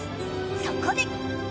そこで。